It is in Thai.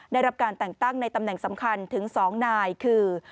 ได้รับการแต่งตั้งในตำแหน่งสำคัญถึง๒นายคือ